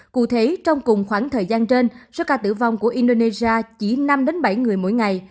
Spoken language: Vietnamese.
cùng khoảng thời gian trên số ca tử vong của indonesia chỉ năm bảy người mỗi ngày